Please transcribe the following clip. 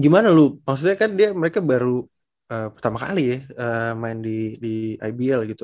gimana lu maksudnya kan dia mereka baru pertama kali ya main di ibl gitu